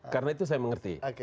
karena itu saya mengerti